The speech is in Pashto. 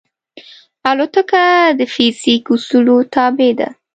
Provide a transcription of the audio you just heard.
الوتکه د فزیک اصولو تابع ده.